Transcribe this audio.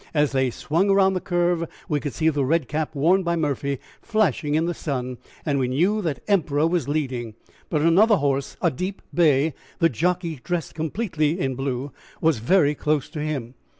As they swung round the curve we could see the red cap worn by Murphy flashing in the sun, and we knew that Emperor was leading. But another horse, a deep bay, the jockey dressed completely in blue, was very close to him.